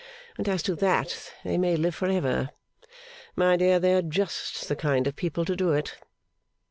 And as to that, they may live for ever. My dear, they are just the kind of people to do it.